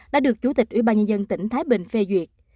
đã được chủ tịch ubnd tỉnh thái bình phê duyệt